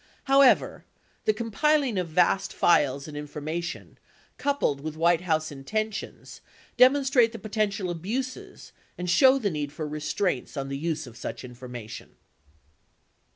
However, the compiling of vast files and information coupled with White House intentions demon strate the potential abuses and show the need for restraints on the use of such information.